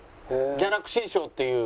ギャラクシー賞っていう。